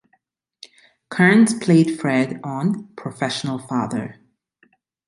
Kearns played Fred on "Professional Father".